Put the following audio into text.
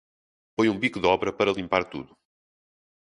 Foi um bico de obra para limpar tudo.